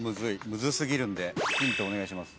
むず過ぎるんでヒントお願いします。